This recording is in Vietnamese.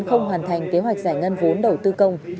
không hoàn thành kế hoạch giải ngân vốn đầu tư công